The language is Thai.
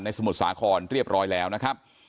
สมุทรสาครเรียบร้อยแล้วนะครับ